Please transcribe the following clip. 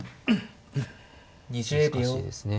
難しいですね。